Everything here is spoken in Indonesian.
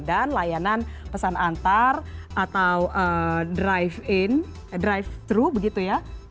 dan layanan pesan antar atau drive in drive thru begitu ya